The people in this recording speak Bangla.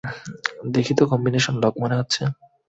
দেখে তো কম্বিনেশন লক মনে হচ্ছে।